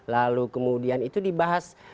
lalu kemudian itu dibahas